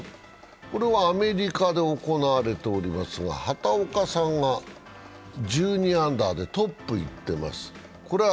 これはアメリカで行われていますが畑岡さんが１２アンダーでトップいってます。